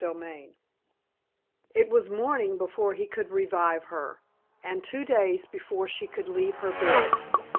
XXVII It was morning before he could revive her, and two days before she could leave her bed.